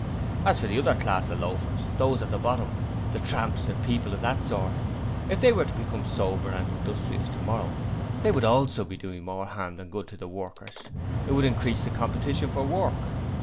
As for the other class of loafers those at the bottom, the tramps and people of that sort, if they were to become sober and industrious tomorrow, they also would be doing more harm than good to the other workers; it would increase the competition for work.